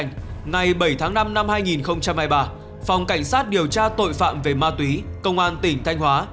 ngày bảy tháng năm năm hai nghìn hai mươi ba phòng cảnh sát điều tra tội phạm về ma túy công an tỉnh thanh hóa